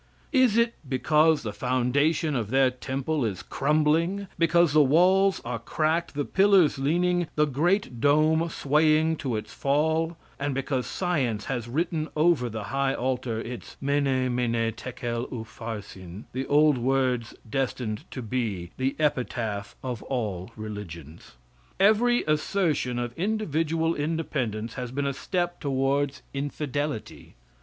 Is it because the foundation of their temple is crumbling, because the walls are cracked, the pillars leaning, the great dome swaying to its fall, and because science has written over the high altar its mene, mene, tekel, upharsin, the old words destined to be the epitaph of all religions? Every assertion of individual independence has been a step towards infidelity.